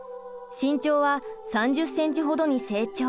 身長は３０センチほどに成長。